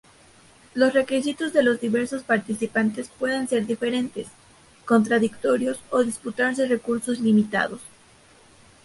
Los requisitos de los diversos participantes pueden ser diferentes, contradictorios o disputarse recursos limitados.